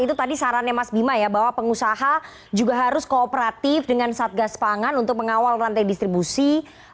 itu tadi sarannya mas bima ya bahwa pengusaha juga harus kooperatif dengan satgas pangan untuk mengawal rantai distribusi